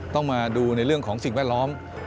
ต้องมาดูในเรื่องของสิ่งแวดล้อม